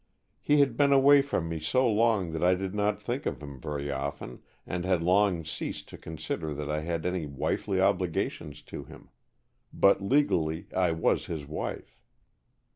He had been away from me so long that I did not think of him very often, and had long ceased to consider that I had any wifely obligations to him. But legally I was his wife."